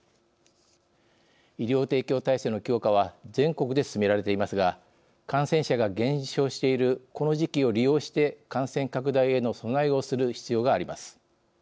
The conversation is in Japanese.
医療提供体制の強化は全国で進められていますが感染者が減少しているこの時期を利用して感染拡大への備えをする必要があります。